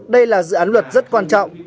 đây là dự án luật rất quan trọng